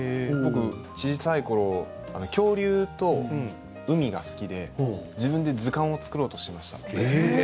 小さいころ恐竜と海が好きで自分で図鑑を作ろうとしました。